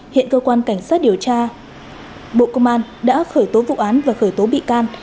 hiện cơ quan cảnh sát điều tra bộ công an đã khởi tố vụ án và khởi tố bị can